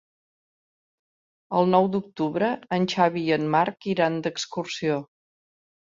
El nou d'octubre en Xavi i en Marc iran d'excursió.